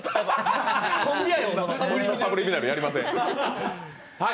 サブリミナルやりません。